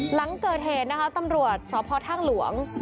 หลังเกิดเหตุนะคะตำรวจสพท่าหลวง